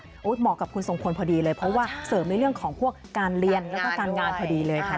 เหมาะกับคุณทรงพลพอดีเลยเพราะว่าเสริมในเรื่องของพวกการเรียนแล้วก็การงานพอดีเลยค่ะ